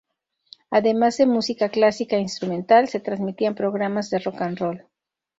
Además de música clásica e instrumental, se transmitían programas de rock n' roll.